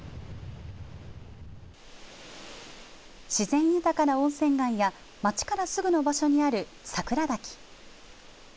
自然豊かな温泉街や町からすぐの場所にある桜滝。